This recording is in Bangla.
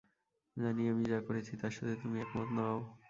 জানি আমি যা করেছি তার সাথে তুমি একমত নও।